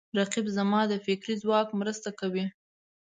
رقیب زما د فکري ځواک مرسته کوي